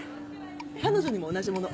彼女にも同じもの。